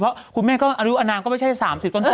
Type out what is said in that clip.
เพราะคุณแม่ก็อายุอนามก็ไม่ใช่๓๐ต้น